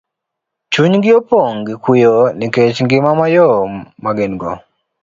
chunygi opong' gi kuyo nikech ngima mayom ma gin go.